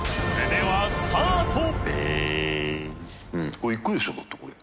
これいくでしょだってこれ。